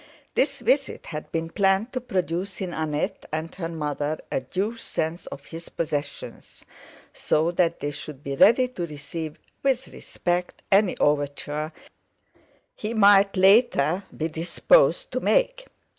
This visit had been planned to produce in Annette and her mother a due sense of his possessions, so that they should be ready to receive with respect any overture he might later be disposed to make.